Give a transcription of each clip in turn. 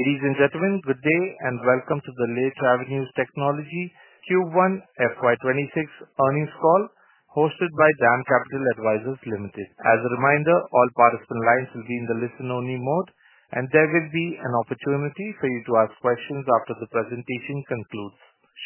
Ladies and gentlemen, good day and welcome to the Le Travenues Technology Q1 FY2026 earnings call hosted by DAM Capital Advisors Ltd. As a reminder, all participant lines will be in the listen-only mode, and there will be an opportunity for you to ask questions after the presentation concludes.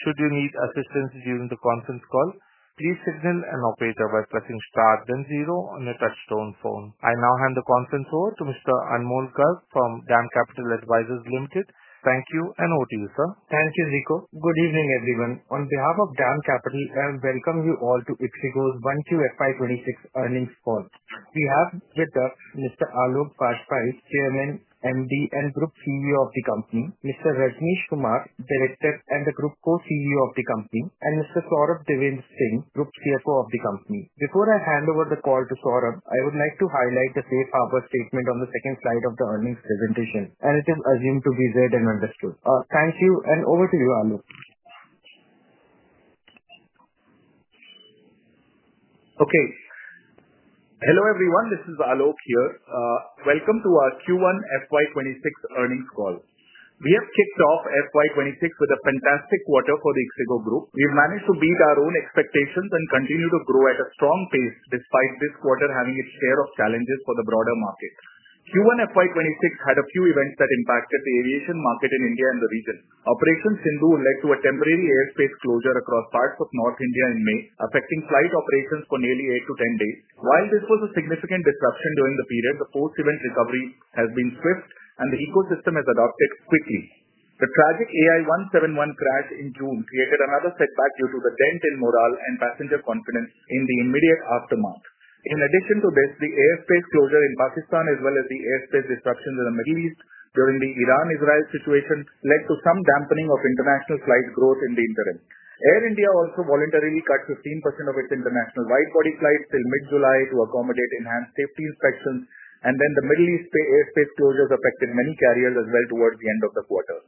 Should you need assistance during the conference call, please signal an operator by pressing star then zero on your touch-tone phone. I now hand the conference over to Mr. Anmol Garg from DAM Capital Advisors Ltd. Thank you and over to you, sir. Thank you, Zico. Good evening, everyone. On behalf of DAM Capital, I welcome you all to Ixigo's 1Q FY2026 earnings call. We have with us Mr. Aloke Bajpai, Co-Founder, Managing Director and Group CEO of the company, Mr. Rajnish Kumar, Director and the Group Co-CEO of the company, and Mr. Saurabh Devendra Singh, Group CFO of the company. Before I hand over the call to Saurabh, I would like to highlight the safe harbor statement on the second slide of the earnings presentation, and it is assumed to be read and understood. Thank you and over to you, Aloke. Okay. Hello everyone, this is Aloke here. Welcome to our Q1 FY2026 earnings call. We have kicked off FY2026 with a fantastic quarter for the Ixigo Group. We've managed to beat our own expectations and continue to grow at a strong pace despite this quarter having its share of challenges for the broader market. Q1 FY2026 had a few events that impacted the aviation market in India and the region. Operation Sindhu led to a temporary airspace closure across parts of North India in May, affecting flight operations for nearly 8-10 days. While this was a significant disruption during the period, the post-event recovery has been swift, and the ecosystem has adapted quickly. The tragic AI-171 crash in June created another setback due to the dent in morale and passenger confidence in the immediate aftermath. In addition to this, the airspace closure in Pakistan, as well as the airspace disruptions in the Middle East during the Iran-Israel situation, led to some dampening of international flight growth in the interim. Air India also voluntarily cut 15% of its international widebody flights till mid-July to accommodate enhanced safety inspections, and then the Middle East airspace closures affected many carriers as well towards the end of the quarter.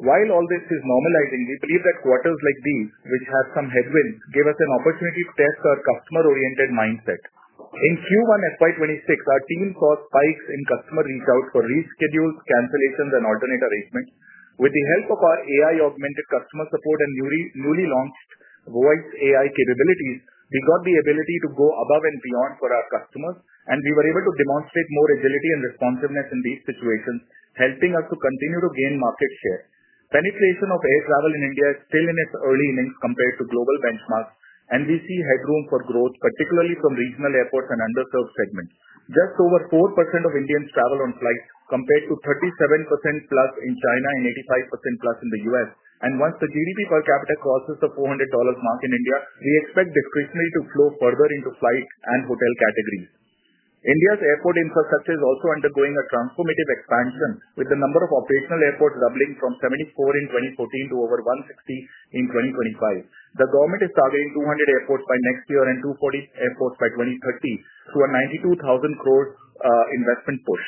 While all this is normalizing, we believe that quarters like these, which have some headwinds, give us an opportunity to test our customer-oriented mindset. In Q1 FY2026, our team saw spikes in customer reach out for reschedules, cancellations, and alternate arrangements. With the help of our AI customer support and newly launched Voice AI capabilities, we got the ability to go above and beyond for our customers, and we were able to demonstrate more agility and responsiveness in these situations, helping us to continue to gain market share. Penetration of air travel in India is still in its early innings compared to global benchmarks, and we see headroom for growth, particularly from regional airports and underserved segments. Just over 4% of Indians travel on flights, compared to 37%+ in China and 85%+ in the U.S. Once the GDP per capita crosses the $400 mark in India, we expect discretionary to flow further into flights and hotel categories. India's airport infrastructure is also undergoing a transformative expansion, with the number of operational airports doubling from 74 in 2014 to over 160 in 2025. The government is targeting 200 airports by next year and 240 airports by 2030 through an 92,000 crore investment push.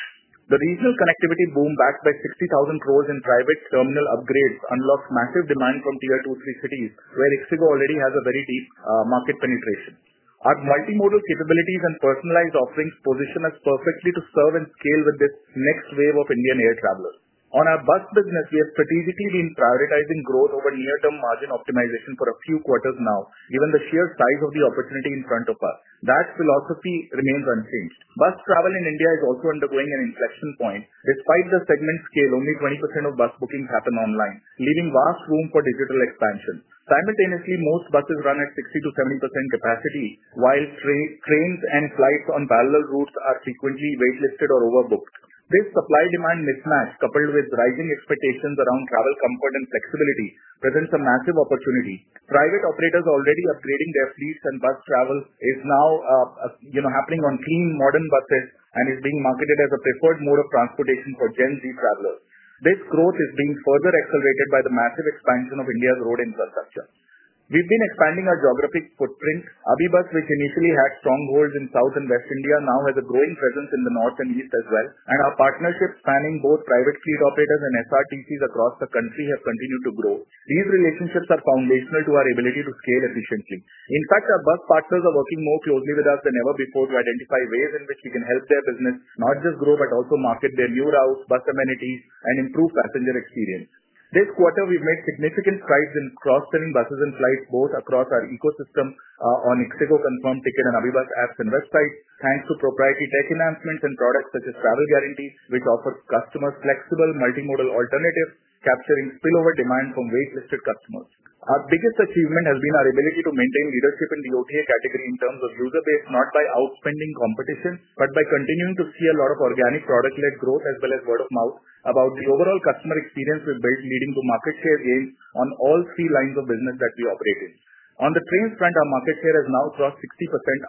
The regional connectivity boom backed by 60,000 crore in dry weights terminal upgrades unlocks massive demand from tier 2-3 cities, where Ixigo already has a very deep market penetration. Our multimodal capabilities and personalized offerings position us perfectly to serve and scale with this next wave of Indian air travelers. On our bus business, we have strategically been prioritizing growth over near-term margin optimization for a few quarters now, given the sheer size of the opportunity in front of us. That philosophy remains unchanged. Bus travel in India is also undergoing an inflection point. Despite the segment's scale, only 20% of bus bookings happen online, leaving vast room for digital expansion. Simultaneously, most buses run at 60%-70% capacity, while trains and flights on parallel routes are frequently waitlisted or overbooked. This supply-demand mismatch, coupled with rising expectations around travel comfort and flexibility, presents a massive opportunity. Private operators are already upgrading their fleets and bus travel is now happening on clean, modern buses and is being marketed as a preferred mode of transportation for Gen Z travelers. This growth is being further accelerated by the massive expansion of India's road infrastructure. We've been expanding our geographic footprint. AbhiBus, which initially had strongholds in South and West India, now has a growing presence in the North and East as well. Our partnerships spanning both private fleet operators and SRTCs across the country have continued to grow. These relationships are foundational to our ability to scale efficiently. In fact, our bus partners are working more closely with us than ever before to identify ways in which we can help their business not just grow but also market their new routes, bus amenities, and improve passenger experience. This quarter, we've made significant strides in cross-selling buses and flights both across our ecosystem on Ixigo, ConfirmTkt, and AbhiBus apps and websites, thanks to proprietary tech enhancements and products such as Travel Guarantee, which offer customers flexible multimodal alternatives, capturing spillover demand from waitlisted customers. Our biggest achievement has been our ability to maintain leadership in the OTA category in terms of user base, not by outspending competition, but by continuing to see a lot of organic product-led growth as well as word of mouth about the overall customer experience we've built, leading to market share gain on all three lines of business that we operate in. On the trains front, our market share has now crossed 60%,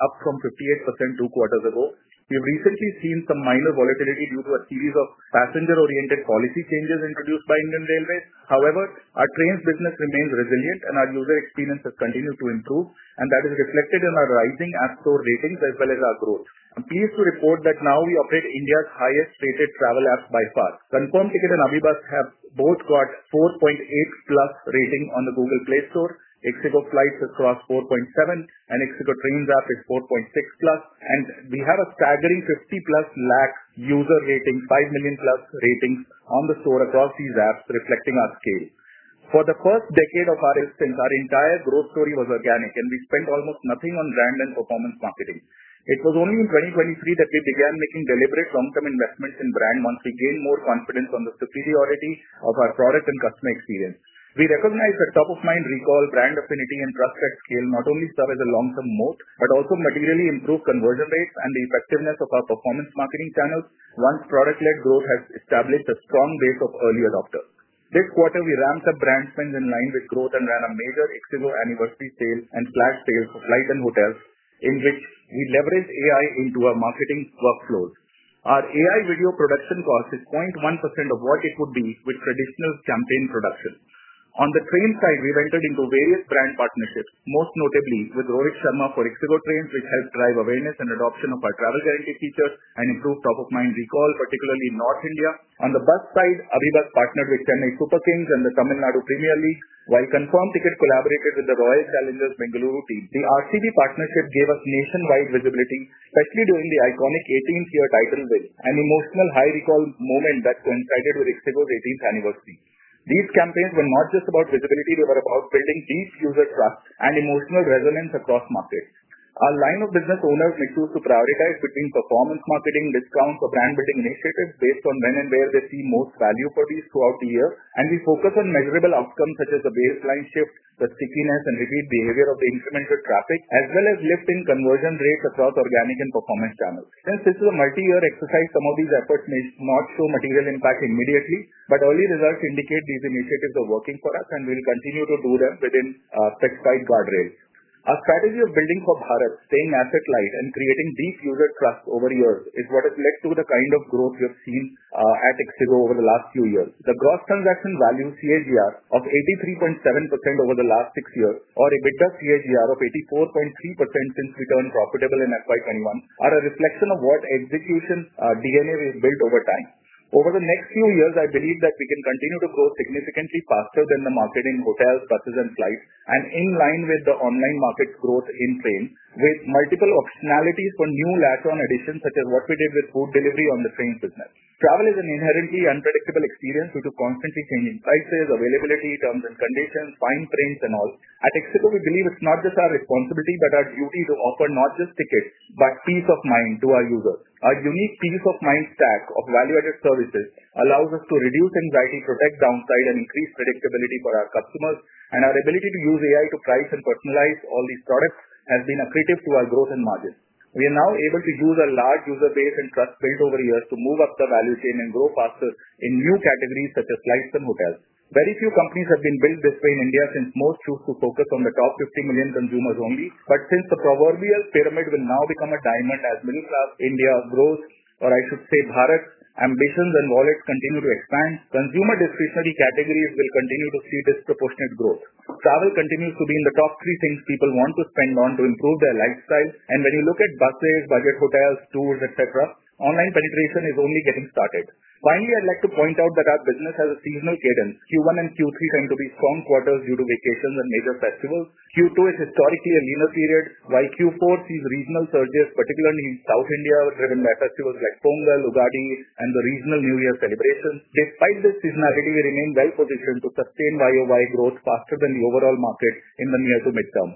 up from 58% two quarters ago. We've recently seen some minor volatility due to a series of passenger-oriented policy changes introduced by Indian Railways. However, our trains business remains resilient, and our user experience has continued to improve, and that is reflected in our rising app store ratings as well as our growth. I'm pleased to report that now we operate India's highest-rated travel app by far. ConfirmTkt and AbhiBus have both got 4.8+ ratings on the Google Play Store. Ixigo Flights has crossed 4.7, and Ixigo Trains app is 4.6+. We have a staggering 50+ user rating, 5 million+ ratings on the store across these apps, reflecting our scale. For the first decade of our existence, our entire growth story was organic, and we spent almost nothing on brand and performance marketing. It was only in 2023 that we began making deliberate long-term investments in brand once we gained more confidence on the superiority of our products and customer experience. We recognize that top-of-mind recall, brand affinity, and trust at scale not only serve as a long-term moat but also materially improve conversion rates and the effectiveness of our performance marketing channels once product-led growth has established a strong base of early adopters. This quarter, we ramped up brand spend in line with growth and ran a major Ixigo Anniversary Sale and Flash Sale for flights and hotels, in which we leveraged AI into our marketing workflows. Our AI video production cost is 0.1% of what it would be with traditional campaign production. On the train side, we've entered into various brand partnerships, most notably with Rohit Sharma for Ixigo Trains, which helps drive awareness and adoption of our Travel Guarantee features and improve top-of-mind recall, particularly in North India. On the bus side, AbhiBus partnered with 108 Super Kings and the Tamil Nadu Premier League, while ConfirmTkt collaborated with the Royal Challengers Bengaluru team. The Royal Challengers Bengaluru partnership gave us nationwide visibility, especially during the iconic 18th-year title win and emotional high-recall moment that coincided with Ixigo's 18th anniversary. These campaigns were not just about visibility, they were about building deep user trust and emotional resonance across markets. Our line of business owners make sure to prioritize between performance marketing, discounts, or brand-building initiatives based on when and where they see most value for these throughout the year. We focus on measurable outcomes such as a baseline shift, the stickiness and repeat behavior of the instrumental traffic, as well as lifting conversion rates across organic and performance channels. Since this is a multi-year exercise, some of these efforts may not show material impact immediately, but early results indicate these initiatives are working for us, and we'll continue to do them within a fixed guardrail. Our strategy of building for bar up, staying asset-light, and creating deep user trust over years is what reflects the kind of growth we've seen at Ixigo over the last few years. The Gross Transaction Value CAGR of 83.7% over the last six years, or a better CAGR of 84.3% since we turned profitable in FY2021, are a reflection of what execution DNA we've built over time. Over the next few years, I believe that we can continue to grow significantly faster than the market in hotels, buses, and flights, and in line with the online market's growth in trains, with multiple optionalities for new later-on additions such as what we did with food delivery on the train business. Travel is an inherently unpredictable experience due to constantly changing prices, availability, terms and conditions, fine print, and all. At Ixigo, we believe it's not just our responsibility but our duty to offer not just tickets but peace of mind to our users. Our unique peace of mind stack of value-added products allows us to reduce anxiety, protect downtime, and increase predictability for our customers. Our ability to use AI to price and personalize all these products has been applicable to our growth and margins. We are now able to use a large user base and trust space over years to move up the value chain and grow faster in new categories such as flights and hotels. Very few companies have been built this way in India since most choose to focus on the top 50 million consumers only. Since the proverbial pyramid will now become a diamond, as middle-class India grows, or I should say bar ups, ambitions, and wallets continue to expand, consumer-to-fiction categories will continue to see disproportionate growth. Travel continues to be in the top three things people want to spend on to improve their lifestyle. When you look at buses, budget hotels, tours, etc., online penetration is only getting started. Finally, I'd like to point out that our business has a seasonal cadence. Q1 and Q3 tend to be strong quarters due to vacations and major festivals. Q2 is historically a leaner period, while Q4 sees regional surges, particularly in South India, where festivals like Pongal, Ugadi, and the regional New Year celebrations occur. Despite this seasonality, we remain well-positioned to sustain Y-o-Y growth faster than the overall market in the near to midterm.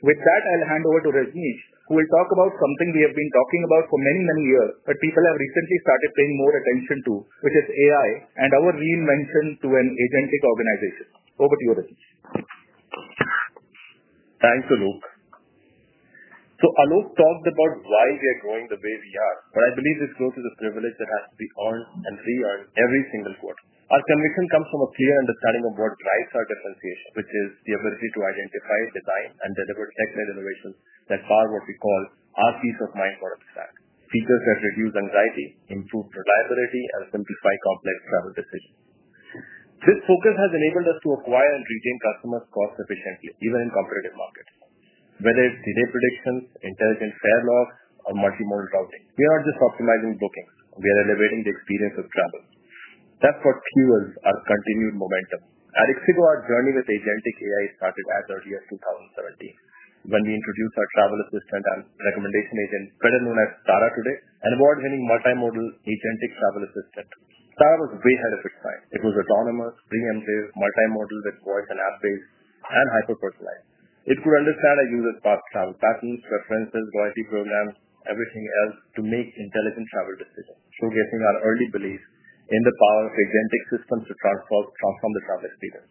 With that, I'll hand over to Rajnish, who will talk about something we have been talking about for many, many years, but people have recently started paying more attention to, which is AI and our reinvention to an agentic organization. Over to you, Rajnish. Thanks, Aloke. Aloke talked about why we are growing the way we are, but I believe this growth is a privilege that has to be earned and re-earned every single quarter. Our conviction comes from a clear understanding of what drives our differentiation, which is the ability to identify, design, and deliver tech-led innovations that are what we call our peace of mind product stack. Features that reduce anxiety, improve reliability, and simplify complex travel decisions. This focus has enabled us to acquire and retain customers cost-efficiently, even in competitive markets. Whether it's delay predictions, intelligent stay logs, or multimodal routing, we are not just optimizing bookings; we are elevating the experience of travel. That's what fuels our continued momentum. At Ixigo, our journey with agentic AI started as early as 2017, when we introduced our travel assistant and recommendation agent, better known as Sara today, an award-winning multimodal agentic travel assistant. Sara was way ahead of its time. It was autonomous, preemptive, multimodal with voice and aspects, and hyper-personalized. It could understand a user's past travel patterns, preferences, loyalty programs, everything else to make intelligent travel decisions, showcasing our early beliefs in the power of agentic systems to transform the travel experience.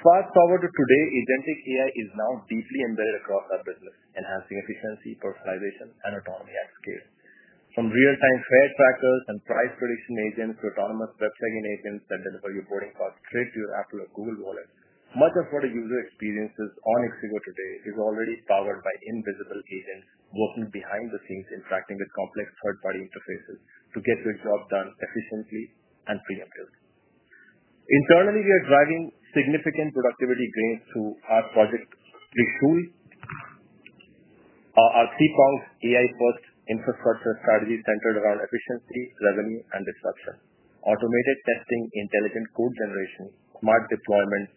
Fast forward to today, agentic AI is now deeply embedded across our business, enhancing efficiency, personalization, and autonomy at scale. From real-time fare trackers and price prediction agents to autonomous web-selling agents that deliver your boarding pass straight to your Apple or Google Wallet, much of what a user experiences on Ixigo today is already powered by invisible agents working behind the scenes, interacting with complex third-party interfaces to get your job done efficiently and preemptively. Internally, we are driving significant productivity gains through our project Cruise, our CXO's AI-first infrastructure strategy centered around efficiency, revenue, and disruption. Automated testing, intelligent code generation, smart deployments,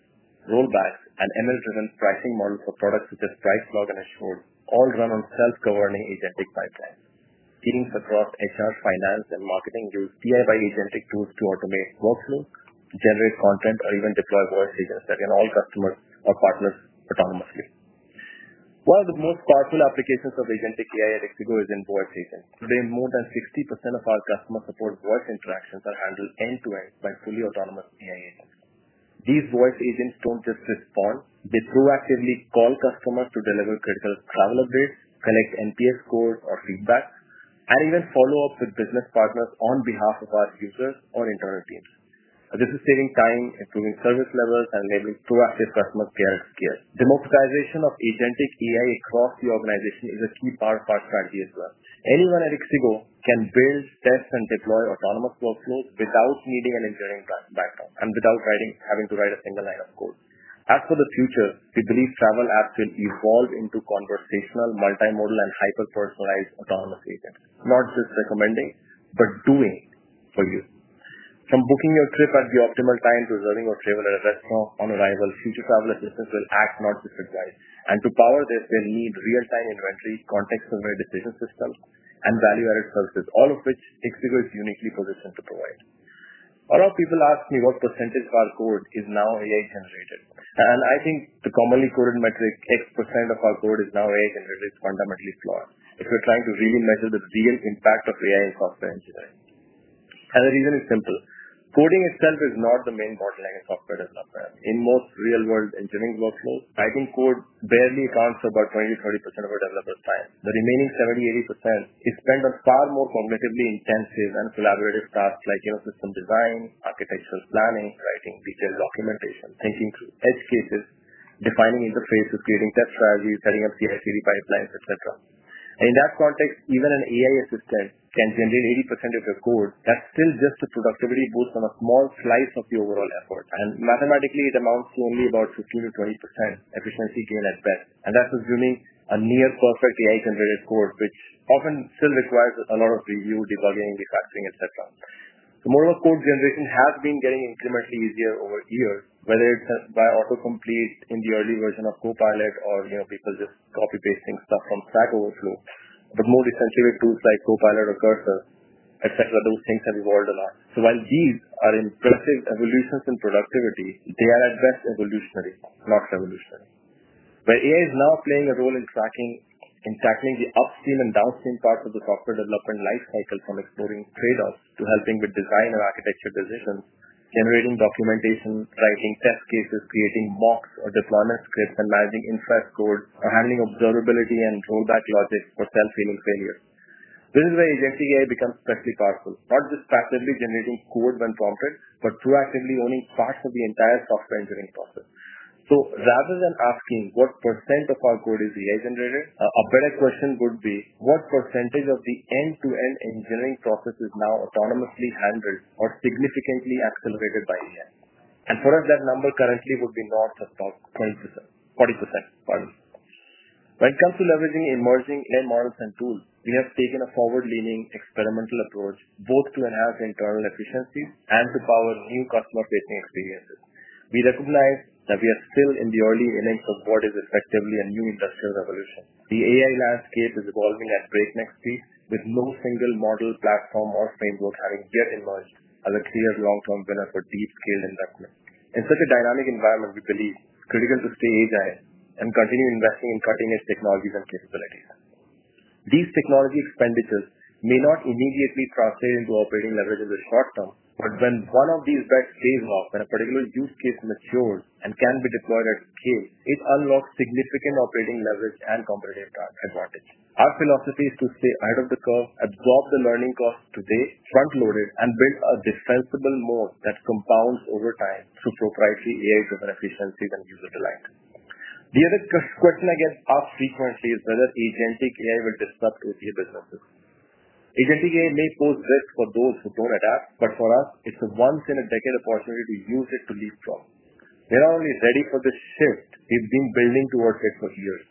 rollbacks, and ML-driven pricing models for products such as Price Lock and Assure all run on self-governing agentic pipelines. Teams across HR, finance, and marketing use these agentic tools to automate workflows, to generate content, or even deploy voice agents that can allow customers or partners autonomously. One of the most powerful applications of agentic AI at Ixigo is in voice agents. Today, more than 60% of our customer support voice interactions are handled end-to-end by fully autonomous AI agents. These voice agents don't just respond, they proactively call customers to deliver critical travel updates, collect NPS scores or feedback, and even follow up with business partners on behalf of our users or internal teams. This is saving time, improving service levels, and enabling proactive customer care and scale. Democratization of agentic AI across the organization is a key powerful strategy as well. Anyone at Ixigo can build, test, and deploy autonomous workflows without needing an engineering background and without having to write a single line of code. As for the future, we believe travel apps will evolve into conversational, multimodal, and hyper-personalized autonomous agents, not just recommending but doing for you. From booking your trip at the optimal time to reserving your travel at a restaurant on arrival, future travel assistants will act not just to guide, and to power this, you'll need real-time inventory, context-aware decision systems, and value-added services, all of which Ixigo is uniquely positioned to provide. A lot of people ask me what percentage of our code is now AI-generated. I think the commonly quoted metric X% of our code is now AI-generated is fundamentally flawed if we're trying to really measure the real impact of AI in software engineering. The reason is simple. Coding itself is not the main bottleneck in software development. In most real-world engineering workflows, typing code barely accounts for about 20%-30% of a developer's time. The remaining 70%-80% is spent on far more cognitively intensive and collaborative tasks like system design, architectural planning, writing detailed documentation, thinking through edge cases, defining interfaces, creating test strategies, setting up CI/CD pipelines, etc. In that context, even if an AI assistant can generate 80% of your code, that's still just the productivity boost on a small slice of the overall effort. Mathematically, it amounts to only about 15% to 20% efficiency gain at best. That's assuming a near-perfect AI-generated code, which often still requires a lot of review, debugging, refactoring, etc. The mode of code generation has been getting incrementally easier over years, whether it's by auto-complete in the early version of Copilot or people just copy-pasting stuff from Stack Overflow. More decentralized tools like Copilot or Cursor, etc., have evolved a lot. While these are impressive evolutions in productivity, they are at best evolutionary, max evolutionary. Where AI is now playing a role is in tracking and tackling the upstream and downstream parts of the software development lifecycle, from exploring trade-offs to helping with design or architecture decisions, generating documentation, writing test cases, creating mocks or deployment scripts, and managing infra scope, handling observability and rollback logics for self-healing failures. This is where agentic AI becomes especially powerful, not just passively generating code when prompted, but proactively owning parts of the entire software engineering process. Rather than asking what percent of our code is AI-generated, a better question would be what percentage of the end-to-end engineering process is now autonomously handled or significantly accelerated by AI. For us, that number currently would be north of about 40%. When it comes to leveraging emerging AI models and tools, we have taken a forward-leaning experimental approach both to enhance internal efficiency and to power new customer-facing experiences. We recognize that we are still in the early wings of what is effectively a new industrial revolution. The AI landscape is evolving at breakneck speeds, with no single model, platform, or framework having yet emerged as a clear long-term benefit for deep scale investment. In such a dynamic environment, we believe it's critical to stay agile and continue investing in cutting-edge technologies and capabilities. These technology expenditures may not immediately translate into operating leverage in the short term, but when one of these bets pays off and a particular use case matures and can be deployed at scale, it unlocks significant operating leverage and competitive advantage. Our philosophy is to stay ahead of the curve, absorb the learning costs today, front-load it, and build a defensible moat that compounds over time through proprietary AI-driven efficiencies and user delight. The other question I get asked frequently is whether agentic AI will disrupt OTA businesses. Agentic AI may pose risks for those who don't adapt, but for us, it's a once-in-a-decade opportunity to use it to lead from. They're not only ready for this shift; they've been building towards it for years.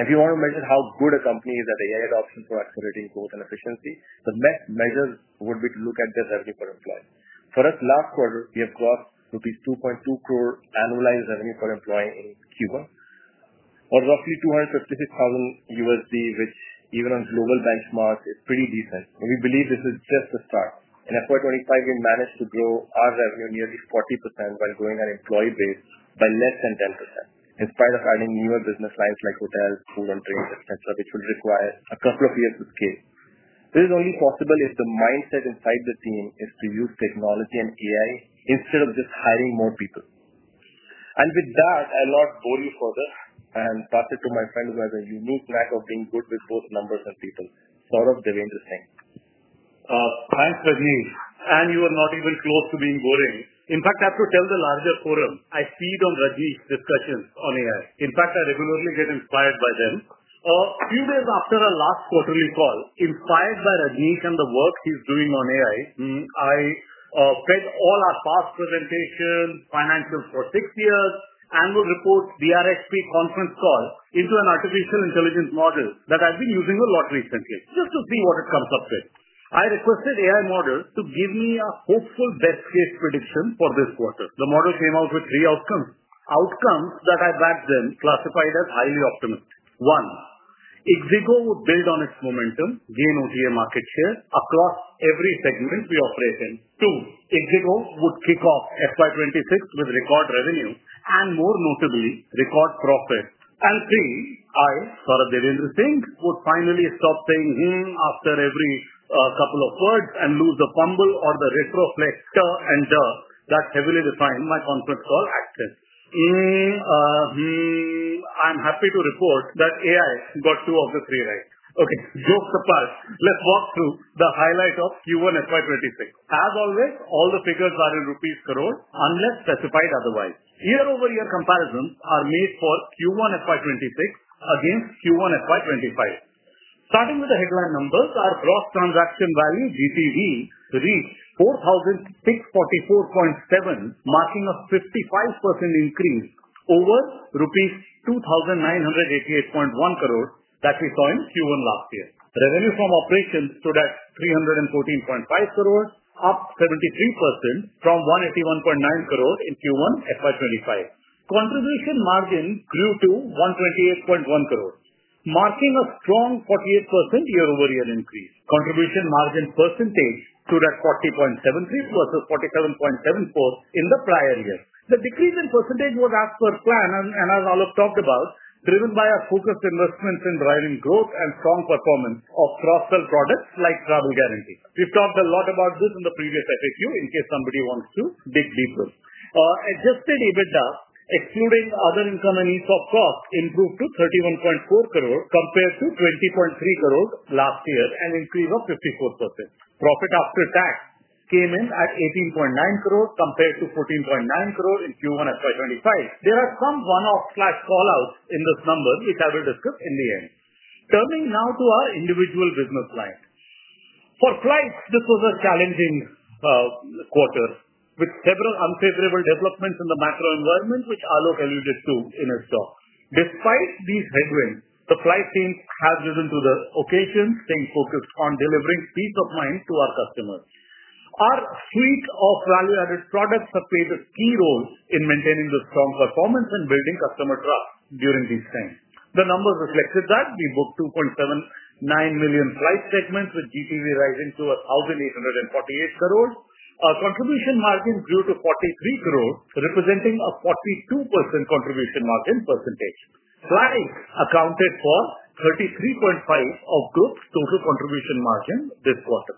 If you want to measure how good a company is at AI adoption for accelerating growth and efficiency, the best measures would be to look at their revenue per employee. For us, last quarter, we have crossed rupees 2.2 crore annualized revenue per employee in Q1, or roughly $236,000 USD, which even on global benchmarks is pretty decent. We believe this is just the start. In FY2025, we've managed to grow our revenue nearly 40% while growing our employee base by less than 10%. In spite of having newer business lines like hotels, food, and trains, etc., which would require a couple of years to scale, this is only possible if the mindset inside the team is to use technology and AI instead of just hiring more people. With that, I'll not bore you further and pass it to my friend who has a unique knack of being good with both numbers and people, Saurabh Devendra Singh. Thanks, Rajnish. You are not even close to being boring. In fact, I have to tell the larger quorum, I feed on Raghini's discussions on AI. I regularly get inspired by them. A few days after our last quarterly call, inspired by Raghini and the work he's doing on AI, I read all our past presentations, financials for six years, and would report the RXP conference call into an artificial intelligence model that I've been using a lot recently just to see what it comes up with. I requested AI models to give me a hopeful best-case prediction for this quarter. The model came out with three outcomes, outcomes that I backed then, classified as highly optimistic. One, Ixigo would build on its momentum, gain OTA market share across every segment we operate in. Two, Ixigo would kick off FY2026 with record revenue and, more notably, record profit. Three, I, Saurabh Devendra Singh, would finally stop saying "hmmm" after every couple of words and lose the pumble or the riff of "next" and "duh" that heavily defined my conference call. I'm happy to report that AI got two of the three right. OK, jokes aside, let's walk through the highlights of Q1 FY2026. As always, all the figures are in rupees crore unless specified otherwise. Year-over-year comparisons are made for Q1 FY2026 against Q1 FY2025. Starting with the headline numbers, our gross transaction value, GTV, reached 4,644.7 crore, marking a 55% increase over rupees 2,988.1 crore that we saw in Q1 last year. Revenue from operations stood at 314.5 crore, up 73% from 181.9 crore in Q1 FY2025. Contribution margin grew to 128.1 crore, marking a strong 48% year-over-year increase. Contribution margin percentage stood at 40.73% versus 47.74% in the prior year. The decrease in percentage was as per plan and, as Aloke talked about, driven by our focused investments in driving growth and strong performance of cross-sell products like Travel Guarantee. We've talked a lot about this in the previous FAQ in case somebody wants to dig deeper. Adjusted EBITDA, excluding other internal needs of cost, improved to 31.4 crore compared to 20.3 crore last year and increased by 54%. Profit after tax came in at 18.9 crore compared to 14.9 crore in Q1 FY2025. There are some one-off/fallouts in this number which I will discuss in the end. Turning now to our individual business lines. For flights, this was a challenging quarter with several unfavorable developments in the macro environment, which Aloke alluded to in his talk. Despite these headwinds, the flight teams have driven to the occasion, staying focused on delivering peace of mind to our customers. Our suite of value-added products have played a key role in maintaining the strong performance and building customer trust during these times. The numbers reflected that we booked 2.79 million flight segments with GTV rising to 1,848 crore. Contribution margin grew to 43 crore, representing a 42% contribution margin percentage. Flights accounted for 33.5% of group's total contribution margin this quarter.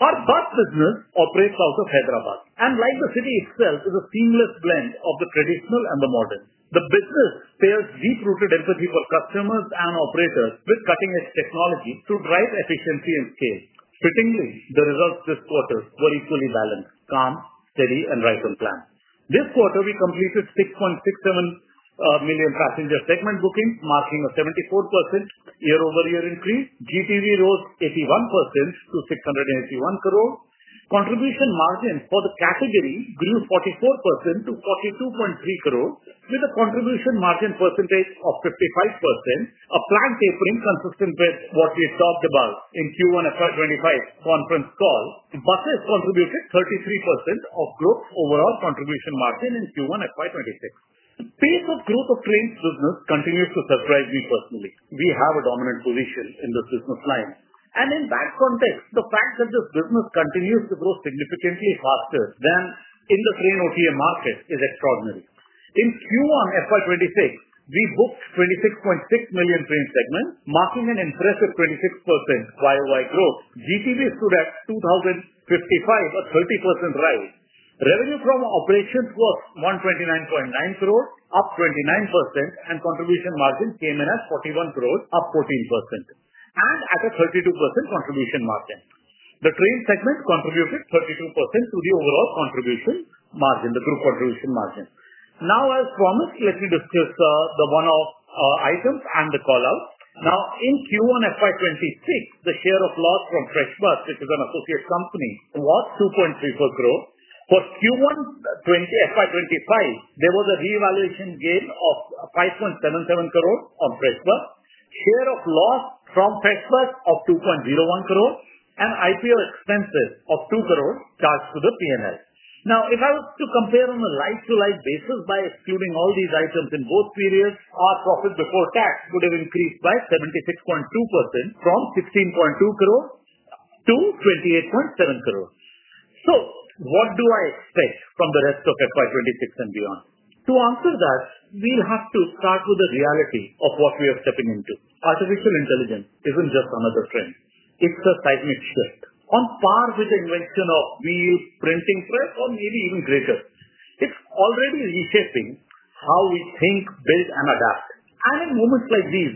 Our bus business operates out of Hyderabad, and like the city itself, it's a seamless blend of the traditional and the modern. The business pairs deep-rooted empathy for customers and operators with cutting-edge technology to drive efficiency and scale. Fittingly, the results this quarter were equally balanced, calm, steady, and right on plan. This quarter, we completed 6.67 million passenger segment bookings, marking a 74% year-over-year increase. GTV rose 81% to 681 crore. Contribution margins for the category grew 44% to 42.3 crore, with a contribution margin percentage of 55%, a planned tapering consistent with what we talked about in Q1 FY2025 conference call. Buses contributed 33% of group overall contribution margin in Q1 FY2026. The pace of growth of trains' business continues to surprise me personally. We have a dominant position in the business line. In that context, the fact that this business continues to grow significantly faster than in the train OTA market is extraordinary. In Q1 FY2026, we booked 26.6 million train segments, marking an impressive 26% Y-o-Y growth. GTV stood at 2,055 crore, a 30% rise. Revenue from operations was 129.9 crore, up 29%, and contribution margin came in at 41 crore, up 14%, and at a 32% contribution margin. The train segments contributed 32% to the overall contribution margin, the group contribution margin. Now, as promised, let me discuss the one-off items and the callouts. In Q1 FY2026, the share of loss from Freshbus, which is an associate company, was 2.34 crore. For Q1 FY2025, there was a reevaluation gain of 5.77 crore on Freshbus, share of loss from Freshbus of 2.01 crore, and IPO expenses of 2 crore charged to the P&L. If I was to compare on a like-to-like basis by excluding all these items in both periods, our profit before tax would have increased by 76.2% from 16.2 crore to 28.7 crore. What do I expect from the rest of FY2026 and beyond? To answer that, we'll have to start with the reality of what we are stepping into. Artificial intelligence isn't just another trend. It's a seismic shift, on par with the invention of 3D printing first or maybe even greater. It's already interesting how we think, build, and adapt. In moments like these,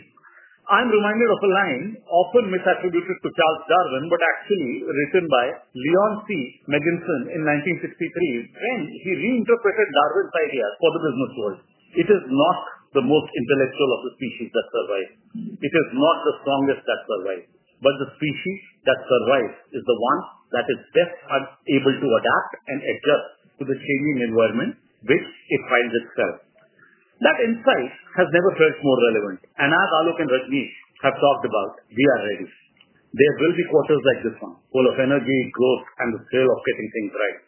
I'm reminded of a line often misattributed to Charles Darwin, but actually written by Leon C. Mendelssohn in 1963, when he reinterpreted Darwin's idea for the business world. It is not the most intellectual of the species that survives. It is not the strongest that survives. The species that survives is the one that is best able to adapt and adjust to the changing environment in which it finds itself. That insight has never felt more relevant. As Aloke Bajpai and Rajnish Kumar have talked about, we are ready. There will be quarters like this one, full of energy, growth, and the thrill of getting things right.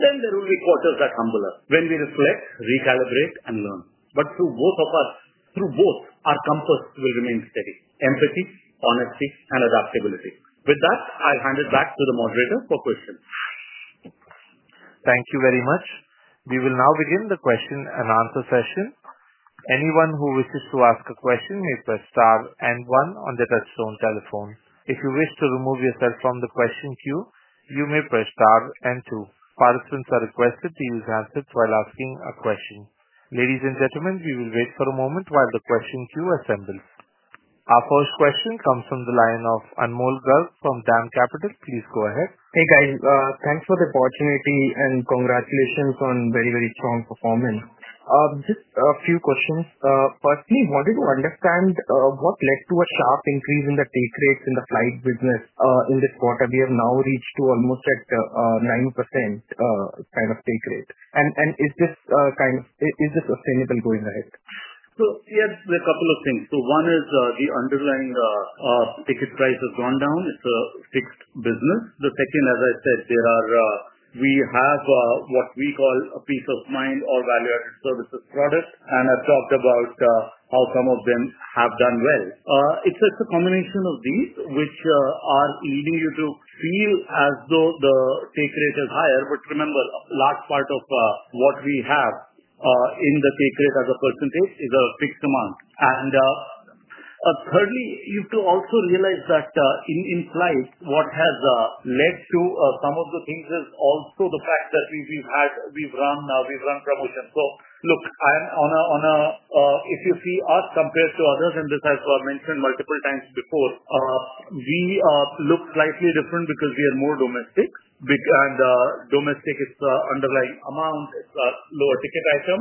There will be quarters that are humbler, when we reflect, recalibrate, and learn. Through both, our compass will remain steady: empathy, honesty, and adaptability. With that, I'll hand it back to the moderator for questions. Thank you very much. We will now begin the question-and-answer session. Anyone who wishes to ask a question may press star and one on their touch-tone telephone. If you wish to remove yourself from the question queue, you may press star and one. Participants are requested to use handsets while asking a question. Ladies and gentlemen, we will wait for a moment while the question queue assembles. Our first question comes from the line of Anmol Garg from DAM Capital. Please go ahead. Hey, guys. Thanks for the opportunity and congratulations on very, very strong performance. Just a few questions. Firstly, I wanted to understand what led to a sharp increase in the take rates in the flight business in this quarter. We have now reached almost at a 9% kind of take rate. Is this kind of sustainable going ahead? There are a couple of things. One is the underlying ticket price has gone down. It's a fixed business. The second, as I said, we have what we call a peace of mind or value-added services product. I've talked about how some of them have done well. It's a combination of these, which are leading you to feel as though the take rate is higher. Remember, a large part of what we have in the take rate as a percentage is a fixed amount. Thirdly, you have to also realize that in flights, what has led to some of the things is also the fact that we've run promotions. If you see us compared to others, and this has been mentioned multiple times before, we look slightly different because we are more domestic. Domestic is the underlying amount. It's a lower ticket item.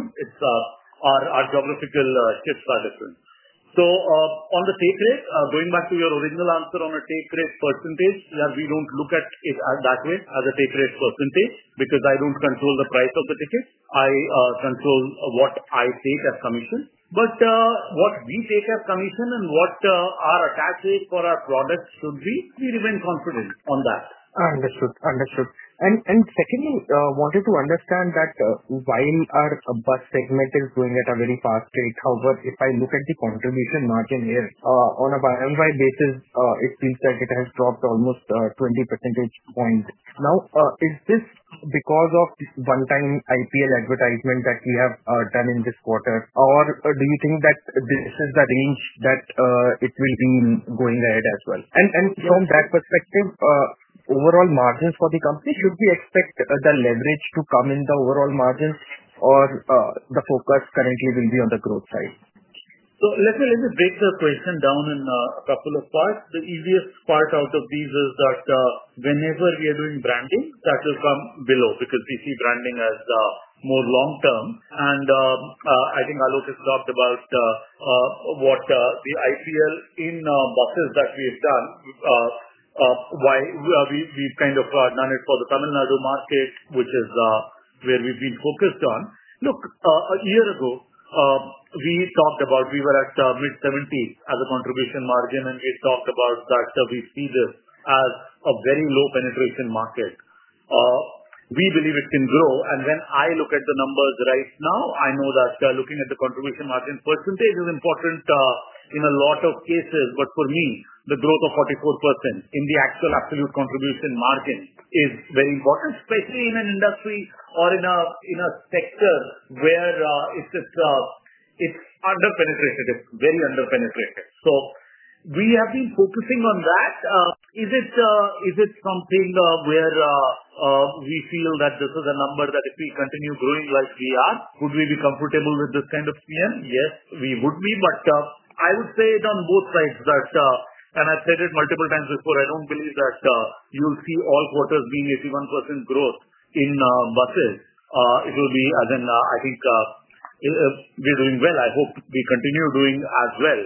Our geographical shifts are different. On the take rate, going back to your original answer on the take rate percentage, we don't look at it at that rate as a take rate percentage because I don't control the price of the ticket. I control what I see as commission. What we see as commission and what our attach rate for our products could be, we remain confident on that. Understood. Understood. Secondly, I wanted to understand that while our bus segment is doing at a very fast pace, if I look at the contribution margin here on a by-and-by basis, it seems that it has dropped almost 20 percentage points. Is this because of this one-time IPL advertisement that we have done in this quarter? Do you think that this is the range that it will be going ahead as well? From that perspective, overall margins for the company, should we expect the leverage to come in the overall margins? Or the focus currently will be on the growth side? Let me break the question down in a couple of parts. The easiest part out of these is that whenever we are doing branding, that will come below because we see branding as more long-term. I think Aloke has talked about what the IPL in boxes that we've done, why we've kind of done it for the Tamil Nadu market, which is where we've been focused on. A year ago, we talked about we were at mid-70% as a contribution margin. We've talked about that we see this as a very low penetration market. We believe it can grow. When I look at the numbers right now, I know that looking at the contribution margin percentage is important in a lot of cases. For me, the growth of 44% in the actual absolute contribution margin is very important, especially in an industry or in a sector where it's underpenetrated. It's very underpenetrated. We have been focusing on that. Is it something where we feel that this is a number that if we continue growing like we are, would we be comfortable with this kind of scale? Yes, we would be. I would say it on both sides that, and I've said it multiple times before, I don't believe that you will see all quarters be a 1% growth in buses. It will be as in I think we're doing well. I hope we continue doing as well.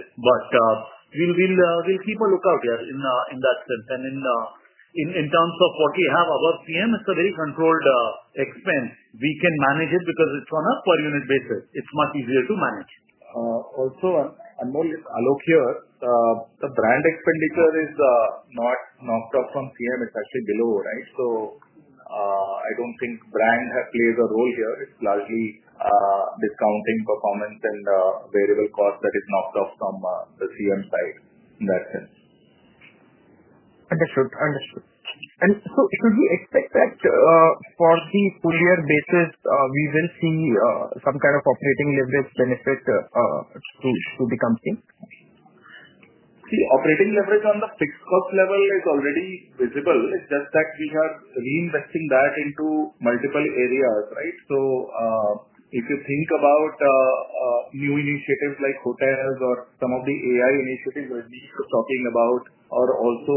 We will keep a lookout here in that sense. In terms of what we have above CM, it's a very controlled expense. We can manage it because it's on a per unit basis. It's much easier to manage. Also, Anmol, Aloke here, the brand expenditure is not knocked off from CM. It's actually below, right? I don't think brand plays a role here. It's largely discounting performance and variable cost that is knocked off from the CM side in that sense. Understood. Understood. If we expect that for the full-year basis, we will see some kind of operating leverage benefit to the company? See, operating leverage on the fixed cost level is already visible. It's just that we are reinvesting that into multiple areas, right? If you think about new initiatives like hotels or some of the AI initiatives we're talking about, or also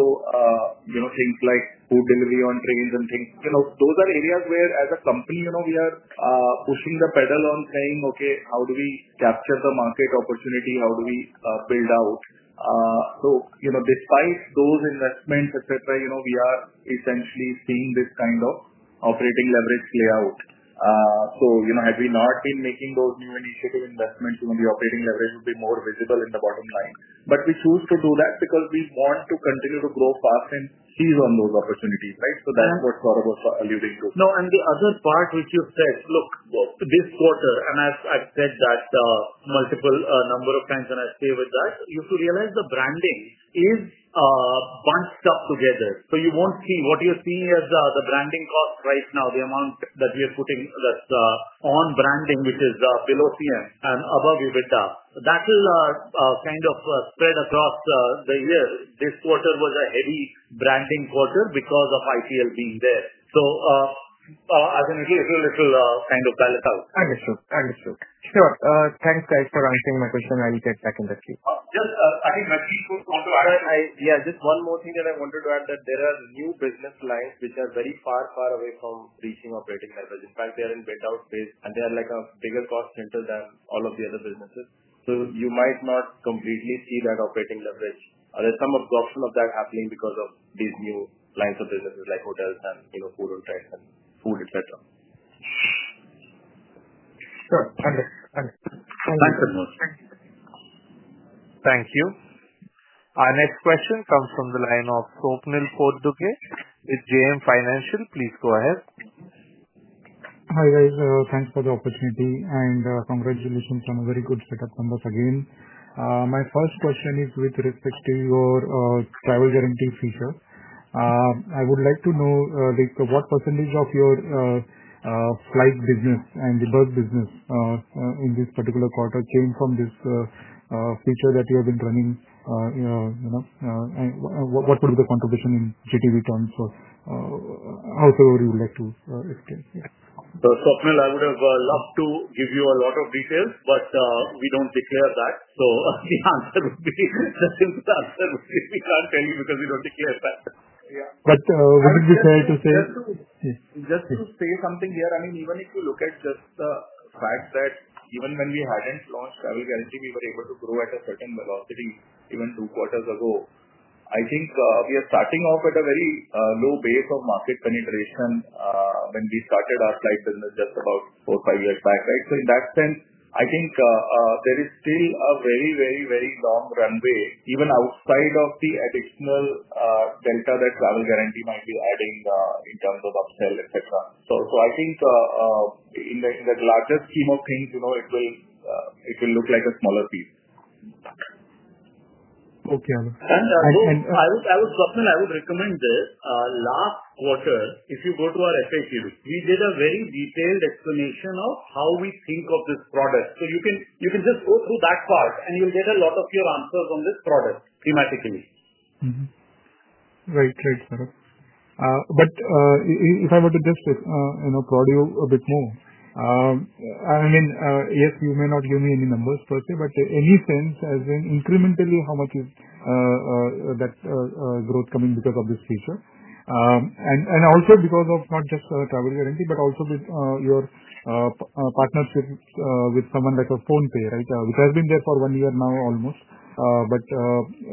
things like food delivery on trains and things, those are areas where as a company, we are pushing the pedal on saying, OK, how do we capture the market opportunity? How do we build out? Despite those investments, etc., we are essentially staying this kind of operating leverage layout. Had we not been making those new initiative investments, the operating leverage would be more visible in the bottom line. We choose to do that because we want to continue to grow fast and seize on those opportunities, right? That's what Saurabh was alluding to. No, and the other part which you said, look, this quarter, and as I've said that multiple number of times and I stay with that, you should realize the branding is bunched up together. You won't see what you're seeing is the branding cost right now, the amount that we are putting that's on branding, which is below CM and above EBITDA. That will kind of spread across the year. This quarter was a heavy branding quarter because of IPL being there, as an additional little kind of bell tower. Understood. Understood. Sure. Thanks, guys, for answering my question. I'll take a second to speak. I think Rajnish is going to add. Yeah, just one more thing that I wanted to add that there are new business lines which are very far, far away from reaching operating leverage. In fact, they are in beta phase, and they are like a bigger cost center than all of the other businesses. You might not completely see that operating leverage. There's some absorption of that happening because of these new lines of businesses like hotels and food and food etc. Thank you. Thank you. Our next question comes from the line of Swapnil Potdukhe with JM Financial. Please go ahead. Hi, guys. Thanks for the opportunity. Congratulations on a very good set of numbers again. My first question is with respect to your Travel Guarantee feature. I would like to know what percentage of your flight business and the bus business in this particular quarter came from this feature that you have been running. What would be the contribution in GTV terms, however you would like to explain. Swapnil, I would have loved to give you a lot of details, but we don't track that. The answer would be the simple answer, we can't tell you because we don't track that. Yeah. Would it be fair to say just to say something here? Even if you look at just the fact that even when we hadn't launched Travel Guarantee, we were able to grow at a certain velocity even two quarters ago. I think we are starting off at a very low base of market penetration when we started our flight business just about four or five years back, right? In that sense, I think there is still a very, very, very long runway even outside of the additional delta that Travel Guarantee might be adding in terms of upsell, etc. I think in the larger scheme of things, it will look like a smaller piece. OK. I would recommend this. Last quarter, if you go to our FAQ, we did a very detailed explanation of how we think of this product. You can just go through that part, and you'll get a lot of your answers on this product thematically. Right, right, Saurabh. If I were to just, you know, prod you a bit more, I mean, yes, you may not give me any numbers per se, but any sense as in incrementally how much that growth is coming because of this feature and also because of not just Travel Guarantee, but also your partnership with someone like a PhonePe, right? Which has been there for one year now almost. I'm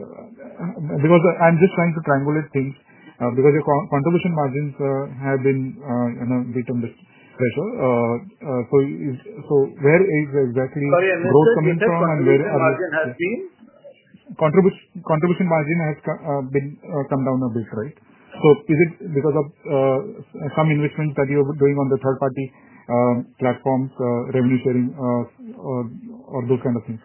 just trying to triangulate things because your contribution margins have been a bit on this pressure. Contribution margin has been? Contribution margin has come down a bit, right? Is it because of some investments that you're doing on the third-party platforms, revenue sharing, or those kinds of things?